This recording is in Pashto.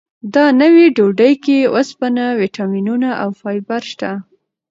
دا نوې ډوډۍ کې اوسپنه، ویټامینونه او فایبر شته.